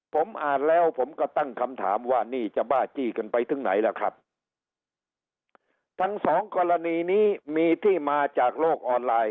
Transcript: ผมอ่านแล้วผมก็ตั้งคำถามว่านี่จะบ้าจี้กันไปถึงไหนล่ะครับทั้งสองกรณีนี้มีที่มาจากโลกออนไลน์